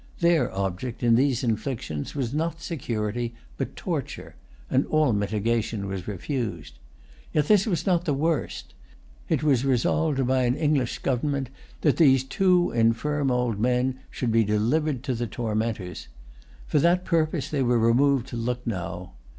Their object in these inflictions was not security but torture; and all mitigation was refused. Yet this was not the worst. It was resolved by an English government that these two infirm old men should be delivered to the tormentors. For that purpose they were removed to Lucknow.